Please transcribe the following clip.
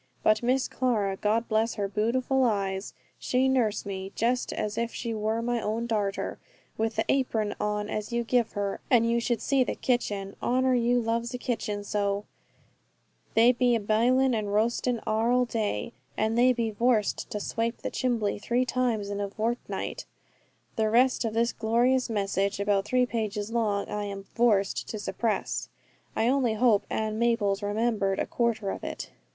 But Miss Clara, God bless her bootiful eyes, she nurse me, just as if she wor my own darter, with the apron on as you give her. And you should see the kitchen, Honor, you loves a kitchen so; they be a bilin and roastin arl day, and they be vorced to swape the chimbley three times in a vortnight" the rest of this glorious message, about three pages long, I am "vorced" to suppress; I only hope Ann Maples remembered a quarter of it.